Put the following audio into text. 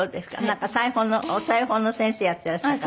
なんか裁縫のお裁縫の先生やっていらした方？